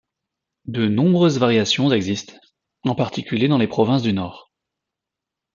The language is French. De nombreuses variations existent, en particulier dans les provinces du Nord.